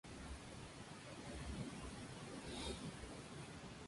La presencia anónima de este religioso sembró en Egidio el deseo de ser misionero.